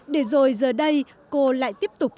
để rồi giờ đây cô lại tiếp tục